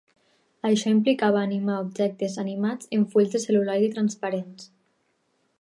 Això implicava animar objectes animats en fulls de cel·luloide transparents.